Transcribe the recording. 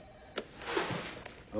あ。